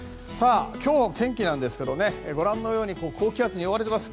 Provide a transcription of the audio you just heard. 今日の天気ですがご覧のように高気圧に覆われています。